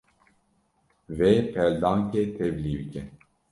Vê peldankê tevlî bike.